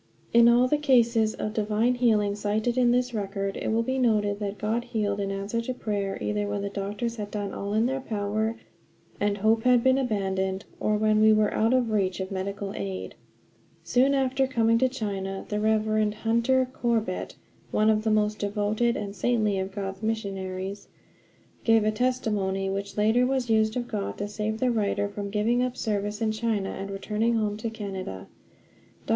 In all the cases of divine healing cited in this record it will be noted that God healed in answer to prayer either when the doctors had done all in their power and hope had been abandoned, or when we were out of reach of medical aid. Soon after coming to China the Rev. Hunter Corbett, one of the most devoted and saintly of God's missionaries, gave a testimony which later was used of God to save the writer from giving up service in China and returning home to Canada. Dr.